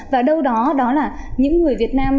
và đâu đó là những người việt nam